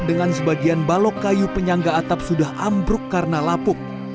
dengan sebagian balok kayu penyangga atap sudah ambruk karena lapuk